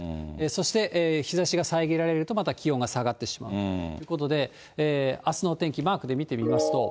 そして日ざしが遮られるとまた気温が下がってしまうということで、あすの天気、マークで見てみますと。